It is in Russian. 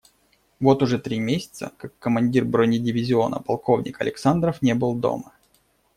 Вот уже три месяца, как командир бронедивизиона полковник Александров не был дома.